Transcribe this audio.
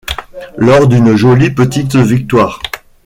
lors d'une jolie petite victoire.